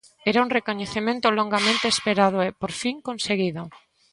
Era un recoñecemento longamente esperado e, por fin, conseguido.